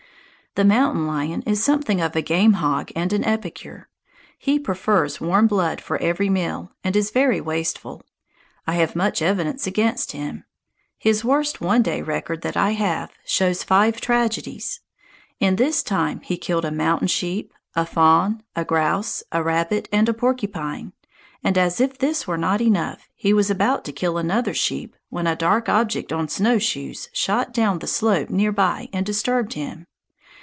The mountain lion is something of a game hog and an epicure. He prefers warm blood for every meal, and is very wasteful. I have much evidence against him; his worst one day record that I have shows five tragedies. In this time he killed a mountain sheep, a fawn, a grouse, a rabbit, and a porcupine; and as if this were not enough, he was about to kill another sheep when a dark object on snowshoes shot down the slope near by and disturbed him.